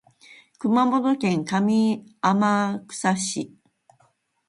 熊本県上天草市